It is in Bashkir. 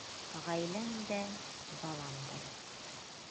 Ғаиләм дә, балам да юҡ.